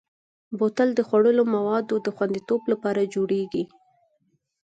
بوتل د خوړلو موادو د خوندیتوب لپاره جوړېږي.